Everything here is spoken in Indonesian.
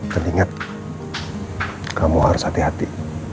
dan ingat kamu harus hati hati